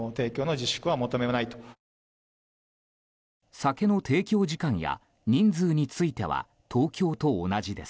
酒の提供時間や人数については東京と同じです。